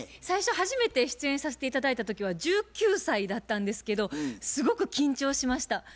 最初初めて出演させて頂いた時は１９歳だったんですけどすごく緊張しました。